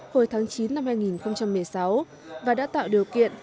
hồi tháng chín năm hai nghìn một mươi sáu và đã tạo điều kiện